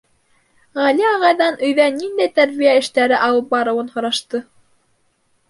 Гәли ағайҙан өйҙә ниндәй тәрбиә эштәре алып барыуын һорашты.